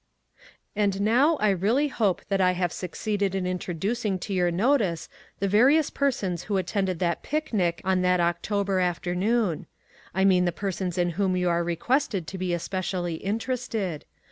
And now I really hope that I have suc ceeded in. introducing to your notice the various persons who attended that picnic on THINGS HARD TO EXPLAIN. 6l that October afternoon. I mean the persons in whom you are requested to be especially interested.